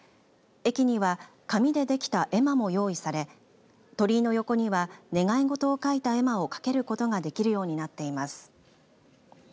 駅には紙で出来た絵馬も用意され鳥居の横には願い事を書いた絵馬を掛けることができるようになっています。